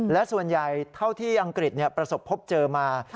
และส่วนใหญ่เท่าที่อังกฤษประสบพบเจอมา